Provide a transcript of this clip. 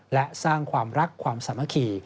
และสร้างความรักความสามัคคี